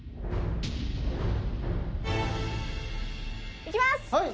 いきます！